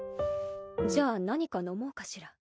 じゃあ何か飲もうかしら。